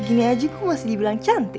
gini aja gue masih dibilang cantik